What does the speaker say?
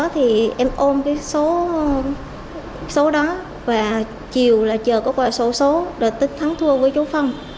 thì em ôm cái số đó và chiều là chờ có qua số số rồi tích thắng thua với chú phong